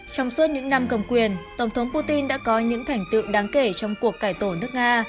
trong suốt những năm cầm quyền tổng thống putin đã có những thành tựu đáng kể trong cuộc cải tổ nước nga